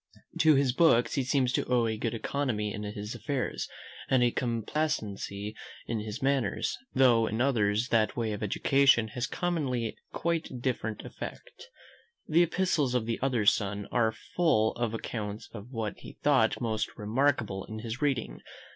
To his books he seems to owe a good economy in his affairs, and a complacency in his manners, though in others that way of education has commonly a quite different effect. The epistles of the other son are full of accounts of what he thought most remarkable in his reading.